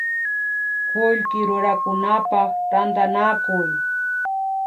Kullki rurakunapak tantanakuy